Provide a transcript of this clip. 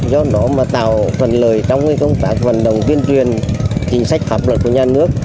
do đó mà tạo thuận lợi trong công tác vận động tuyên truyền chính sách pháp luật của nhà nước